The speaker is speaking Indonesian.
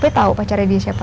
tapi tau pacarnya dia siapa